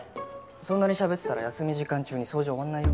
そんなにしゃべってたら休み時間中に掃除終わんないよ。